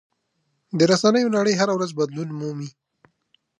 د رسنیو نړۍ هره ورځ بدلون مومي.